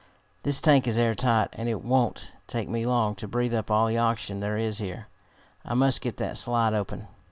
This tank is airtight, and it won't take me long to breath up all the oxygen there is here. I must get that slide open."